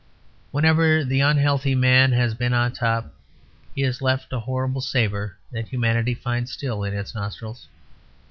Whenever the unhealthy man has been on top, he has left a horrible savour that humanity finds still in its nostrils.